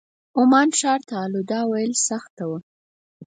عمان ښار ته الوداع ویل سخته وه.